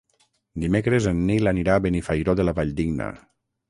Dimecres en Nil anirà a Benifairó de la Valldigna.